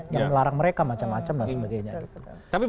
yang larang mereka macam macam lah sebagainya